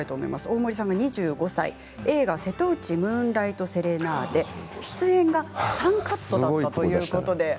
大森さん２５歳、映画「瀬戸内ムーンライト・セレナーデ」出演は３カットということです。